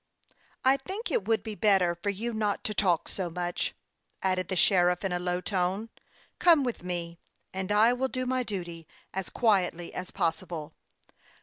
" I think it would be better for you not to talk so much," added the sheriff, in a low tone. " Come with me, and I will do my duty as quietly as pos sible."